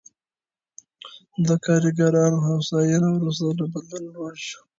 د کارګرانو هوساینه وروسته له بدلون لوړ شوې.